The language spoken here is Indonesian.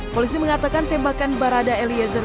polisi mengatakan tembakan barada eliezer